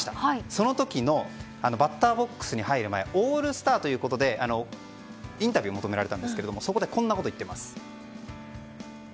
その時のバッターボックスに入る前オールスターということでインタビューを求められたんですが、そこでこんなことを言っています。